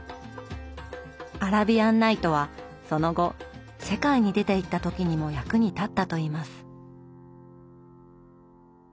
「アラビアン・ナイト」はその後世界に出ていった時にも役に立ったといいます。